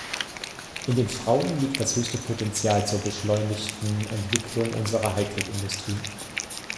In den Frauen liegt das höchste Potenzial zur beschleunigten Entwicklung unserer High-Tech-Industrie.